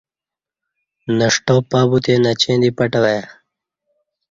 نݜٹاں پہ بوتے نچیں دی پٹہ وہ یا ۔